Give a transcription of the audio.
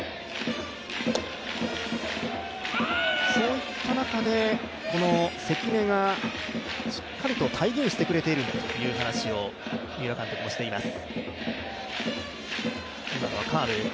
そういった中で関根がしっかりと体現してくれてるんだという話を三浦監督もしています。